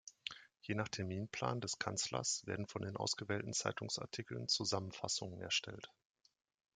Je nach Terminplan des Kanzlers werden von den ausgewählten Zeitungsartikeln Zusammenfassungen erstellt.